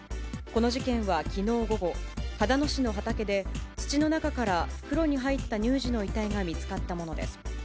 この事件はきのう午後、秦野市の畑で、土の中から袋に入った乳児の遺体が見つかったものです。